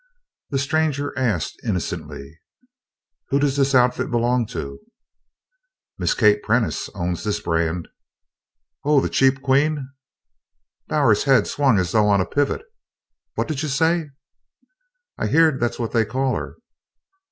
The stranger asked innocently: "Who does this Outfit belong to?" "Miss Kate Prentice owns this brand." "Oh the 'Cheap Queen'!" Bowers's head swung as though on a pivot. "What did you say?" "I've heerd that's what they call her."